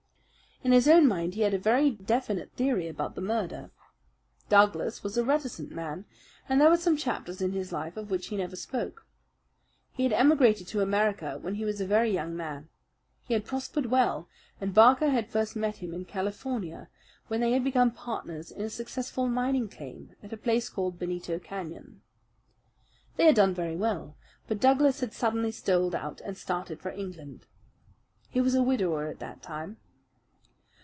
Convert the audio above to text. In his own mind he had a very definite theory about the murder. Douglas was a reticent man, and there were some chapters in his life of which he never spoke. He had emigrated to America when he was a very young man. He had prospered well, and Barker had first met him in California, where they had become partners in a successful mining claim at a place called Benito Canyon. They had done very well; but Douglas had suddenly sold out and started for England. He was a widower at that time.